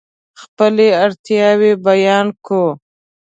خپلې اړتیاوې بیان کوو.